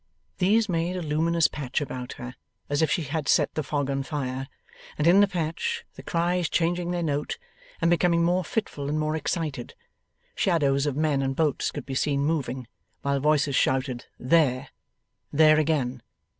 These made a luminous patch about her, as if she had set the fog on fire, and in the patch the cries changing their note, and becoming more fitful and more excited shadows of men and boats could be seen moving, while voices shouted: 'There!' 'There again!